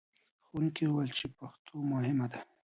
ښوونکي وویل چې پښتو مهمه ده.